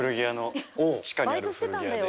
地下にある古着屋で。